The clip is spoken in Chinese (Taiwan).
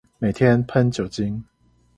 每天噴酒精